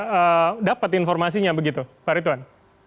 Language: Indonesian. dewan pakar juga dapat informasinya begitu pak retuan